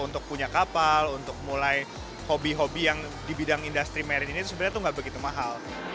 untuk punya kapal untuk mulai hobi hobi yang di bidang industri marine ini sebenarnya tuh nggak begitu mahal